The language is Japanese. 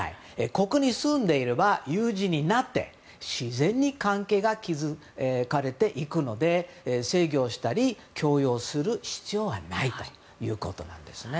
ここに住んでいれば友人になって自然に関係が築かれていくので制御したり強要する必要はないということです。